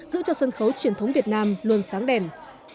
giữ cho sân khấu truyền thống việt nam luôn sáng đèn